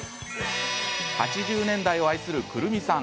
８０年代を愛する、くるみさん。